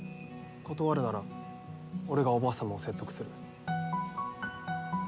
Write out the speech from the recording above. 断るなら俺がおばあさまを説得する。